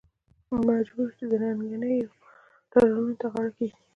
مجبور شو چې ننګینو تړونونو ته غاړه کېږدي.